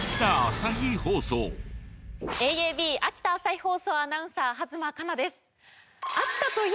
ＡＡＢ秋田朝日放送アナウンサー弭間花菜です。